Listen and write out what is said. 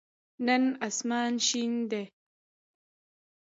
نن آسمان شین دی